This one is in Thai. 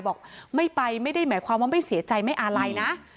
บอกไม่ไปไม่ได้หมายความว่าไม่เสียใจไม่อะไรนะ